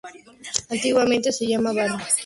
Antiguamente se llamaba barrio Playa Blanca.